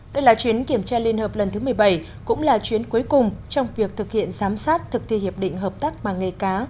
đây là chuyến kiểm tra liên hợp lần thứ một mươi bảy cũng là chuyến cuối cùng trong việc thực hiện giám sát thực thi hiệp định hợp tác bằng nghề cá